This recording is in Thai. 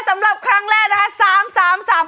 สำหรับครั้งแรก